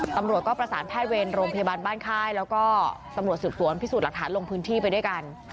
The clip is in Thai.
ตำรวจก็ประสานแพทย์เวรโรงพยาบาลบ้านค่ายแล้วก็ตำรวจสืบสวนพิสูจน์หลักฐานลงพื้นที่ไปด้วยกัน